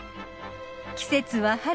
季節は春。